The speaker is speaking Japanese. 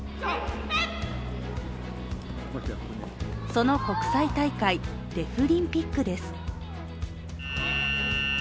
その国際大会、デフリンピックです。